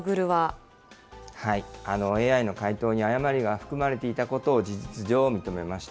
ＡＩの回答に誤りが含まれていたことを事実上、認めました。